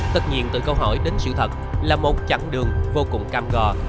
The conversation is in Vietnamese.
tất nhiên từ câu hỏi đến sự thật là một chặng đường vô cùng cam gò